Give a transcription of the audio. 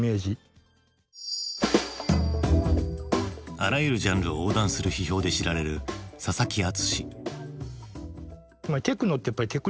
あらゆるジャンルを横断する批評で知られる佐々木敦。